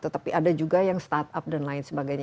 tetapi ada juga yang startup dan lain sebagainya